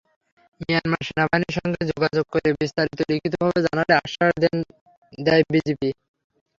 Myanmar সেনাবাহিনীর সঙ্গে যোগাযোগ করে বিস্তারিত লিখিতভাবে জানাতে আশ্বাস দেয় বিজিপি।